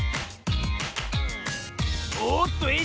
おっとえい